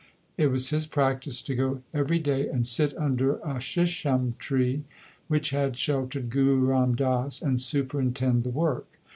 It was his practice to go every day and sit under a shisham 2 tree, which had sheltered Guru Ram Das, and superintend the work.